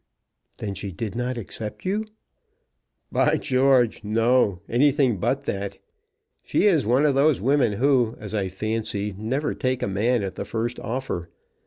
"Then she did not accept you?" "By George! no; anything but that. She is one of those women who, as I fancy, never take a man at the first offer.